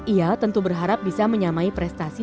ia tentu berharap bisa menyamai prestasi